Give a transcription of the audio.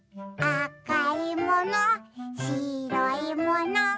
「あかいもの？